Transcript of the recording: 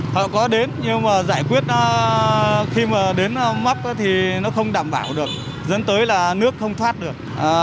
họ có đến nhưng mà giải quyết khi mà đến mắc thì nó không đảm bảo được dẫn tới là nước không thoát được